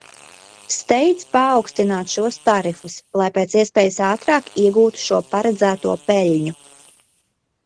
Steidz paaugstināt šos tarifus, lai pēc iespējas ātrāk iegūtu šo paredzēto peļņu.